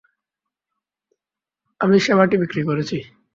আমি সেবাটি বিক্রি করেছি।